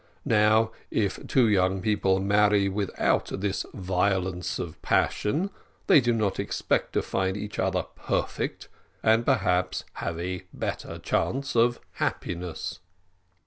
Now, if two young people marry without this violence of passion, they do not expect to find each other perfect, and perhaps have a better chance of happiness."